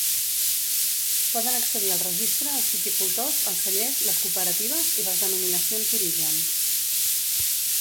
Poden accedir al Registre els viticultors, els cellers, les cooperatives i les denominacions d'origen.